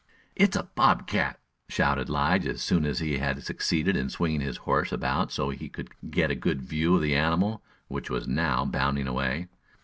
"It's a bob cat!" shouted Lige, as soon as he had succeeded in swinging his horse about so he could get a good view of the animal, which was now bounding away.